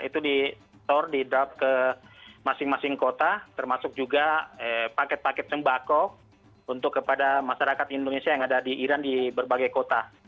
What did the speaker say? itu di store di drop ke masing masing kota termasuk juga paket paket sembako untuk kepada masyarakat indonesia yang ada di iran di berbagai kota